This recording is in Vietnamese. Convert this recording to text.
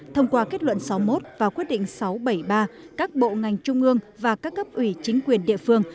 thông qua kết luận sáu mươi một và quyết định sáu trăm bảy mươi ba các bộ ngành trung ương và các cấp ủy chính quyền địa phương